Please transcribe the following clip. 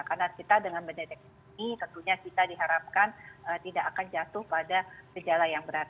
karena kita dengan mendeteksi ini tentunya kita diharapkan tidak akan jatuh pada gejala yang berat